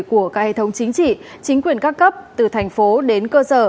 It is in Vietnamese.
của các hệ thống chính trị chính quyền các cấp từ thành phố đến cơ sở